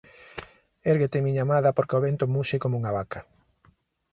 Érguete, miña amada, porque o vento muxe coma unha vaca!